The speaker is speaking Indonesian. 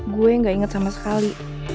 gue gak inget sama sekali